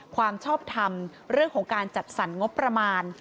ความชอบทำเรื่องของการจัดสรรงบประมาณ